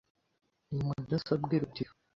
Iyi mudasobwa iruta iyo.